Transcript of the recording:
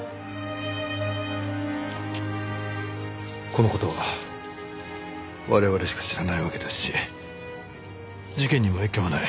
この事は我々しか知らないわけですし事件にも影響はない。